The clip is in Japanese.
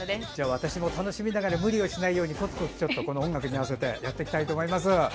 私も楽しみながら無理をしないようにこつこつ音楽に合わせてやっていきたいと思います。